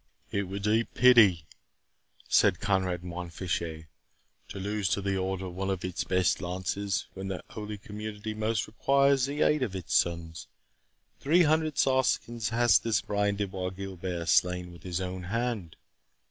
"It were deep pity," said Conrade Mont Fitchet, "to lose to the Order one of its best lances, when the Holy Community most requires the aid of its sons. Three hundred Saracens hath this Brian de Bois Guilbert slain with his own hand."